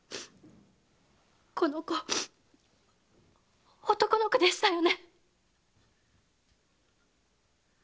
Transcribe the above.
この子男の子でしたよね？